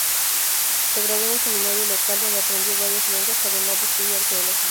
Se graduó en el seminario local donde aprendió varias lenguas, además de estudiar teología.